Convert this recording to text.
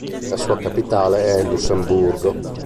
La sua capitale è Lussemburgo.